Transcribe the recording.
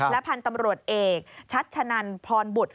พันธุ์ตำรวจเอกชัชนันพรบุตร